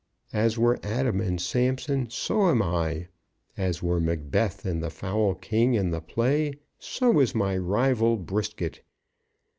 As were Adam and Samson, so am I. As were Macbeth and the foul king in the play, so is my rival Brisket.